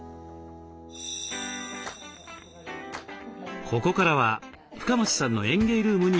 ここからは深町さんの園芸ルームに移動。